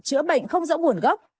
chữa bệnh không rỗng nguồn gốc